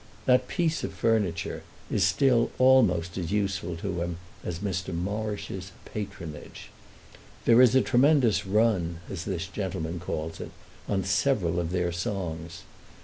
That piece of furniture is still almost as useful to him as Mr. Morrish's patronage. There is a tremendous run, as this gentlemen calls it, on several of their songs.